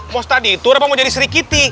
mustaditur apa mau jadi serikiti